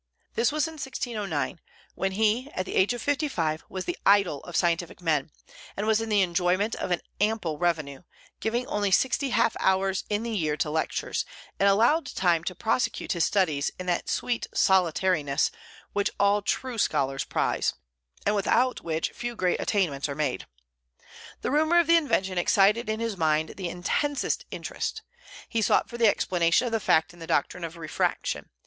This was in 1609, when he, at the age of fifty five, was the idol of scientific men, and was in the enjoyment of an ample revenue, giving only sixty half hours in the year to lectures, and allowed time to prosecute his studies in that "sweet solitariness" which all true scholars prize, and without which few great attainments are made. The rumor of the invention excited in his mind the intensest interest. He sought for the explanation of the fact in the doctrine of refraction.